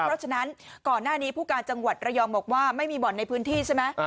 เพราะฉะนั้นก่อนหน้านี้ผู้การจังหวัดระยองบอกว่าไม่มีบ่อนในพื้นที่ใช่ไหม